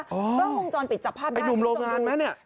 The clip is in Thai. กล้องวงจรปิดจับภาพได้หนุ่มโรงงานไหมเนี่ย